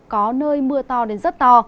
có nơi mưa to đến rất to